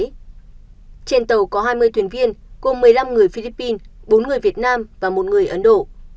trên tàu có hai mươi thuyền viên cùng một mươi năm người philippines bốn người việt nam và một người ấn độ